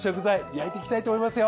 焼いていきたいと思いますよ。